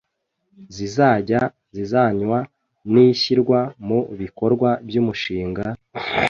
zizajya zizanwa n’ishyirwa mu bikorwa by’umushinga,